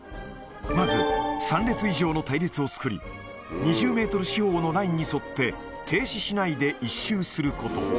まず、３列以上の隊列を作り、２０メートル四方のラインに沿って、停止しないで１周すること。